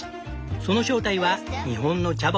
その正体は日本のチャボ。